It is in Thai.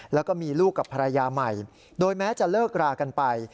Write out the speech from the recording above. แล้วก็มีลูกกับภรรยาใหม่โดยแม้จะเลิกรากันไป